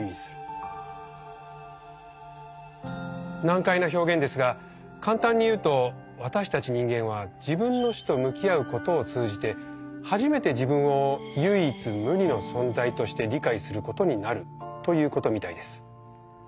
難解な表現ですが簡単に言うと私たち人間は自分の死と向き合うことを通じて初めて自分を「唯一無二の存在」として理解することになるということみたいです。